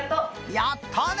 やったね！